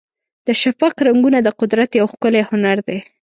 د شفق رنګونه د قدرت یو ښکلی هنر دی.